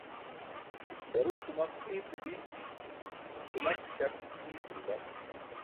Daruwe tumaq iice bi, tumaq-śak iice bila.